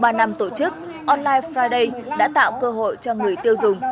ba năm tổ chức online friday đã tạo cơ hội cho người tiêu dùng